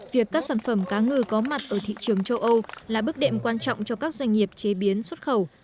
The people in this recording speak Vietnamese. việc các sản phẩm cá ngừ có mặt ở thị trường châu âu là bước đệm quan trọng cho các doanh nghiệp chế biến xuất khẩu